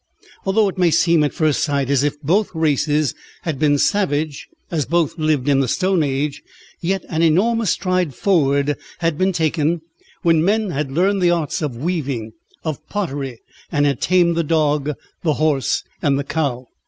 Although it may seem at first sight as if both races had been savage, as both lived in the Stone Age, yet an enormous stride forward had been taken when men had learned the arts of weaving, of pottery, and had tamed the dog, the horse, and the cow.